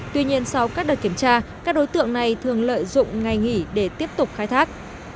tuy nhiên sau các đợt kiểm tra các đối tượng này thường lợi dụng ngày nghỉ để tiếp tục khai thác